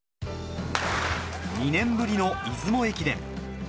２年ぶりの出雲駅伝。